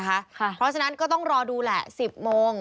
เพราะฉะนั้นก็ต้องรอดูแหละ๑๐โมง